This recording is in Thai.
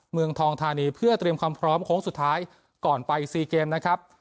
เมืองทองธานีเพื่อเตรียมความพร้อมโค้งสุดท้ายก่อนไป๔เกมนะครับ